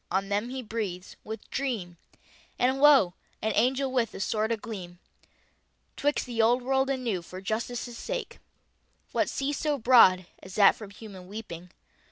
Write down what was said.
On them He breathes with dream And, Lo! an Angel with a sword agleam 'Twix the Old World and New for Justice's sake. What sea so broad, as that from Human weeping?